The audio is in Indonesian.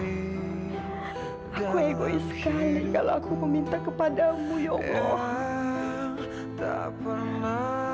aku egois sekali kalau aku meminta kepadamu ya allah